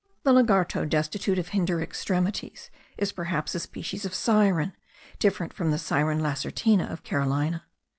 The lagarto destitute of hinder extremities is perhaps a species of Siren, different from the Siren lacertina of Carolina.